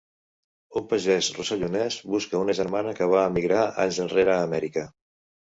Un pagès rossellonès busca una germana que va emigrar anys enrere a Amèrica.